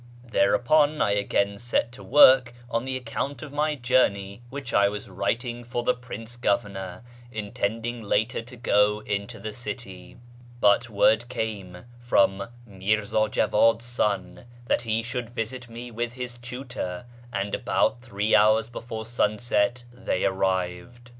Thereupon I again set to 532 A YEAR AMONGST THE PERSIANS work on the account of my journey which I was writing for the Prince Governor, intending later to go into tlie city; liut word came from Mirza Jawad's son tliat he would visit mc with his tutor, and about three hours before sunset they arrived.